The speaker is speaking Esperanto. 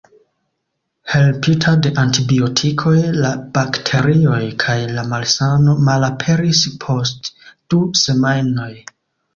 Helpita de antibiotikoj, la bakterioj kaj la malsano malaperis post du semajnoj.